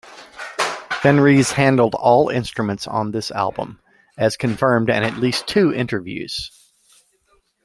Fenriz handled all instruments on this album, as confirmed in at least two interviews.